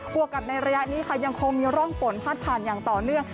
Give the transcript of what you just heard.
วกกับในระยะนี้ค่ะยังคงมีร่องฝนพาดผ่านอย่างต่อเนื่อง